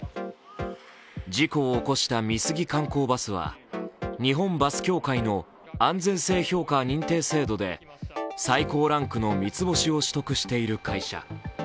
事故を起こした美杉観光バスは日本バス協会安全性評価認定制度で最高ランクの三つ星を取得している会社。